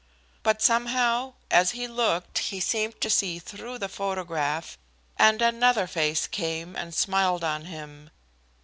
But, somehow, as he looked, he seemed to see through the photograph, and another face came and smiled on him.